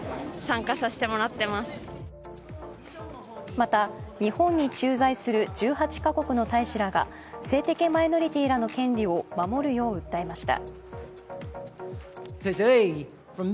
また、日本に駐在する１８か国の大使らが性的マイノリティーらの権利を守るよう訴えました。